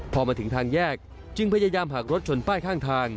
พอมาถึงทางแยกจึงพยายามหักรถชนป้ายข้างทาง